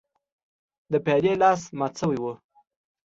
د پیالې لاس مات شوی و.